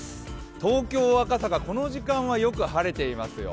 東京・赤坂、この時間はよく晴れていますよ。